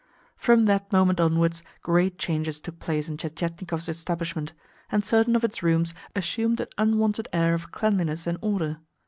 From that moment onwards great changes took place in Tientietnikov's establishment, and certain of its rooms assumed an unwonted air of cleanliness and order.